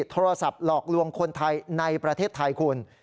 โทรศัพท์หลอกลวงคนไทยในประเทศไทยคุณ